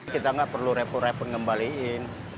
kita nggak perlu repot repot ngembaliin